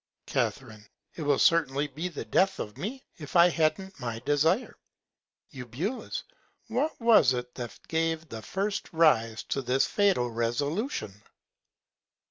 Ca. It will certainly be the Death of me, if I han't my Desire. Eu. What was it that gave the first Rise to this fatal Resolution?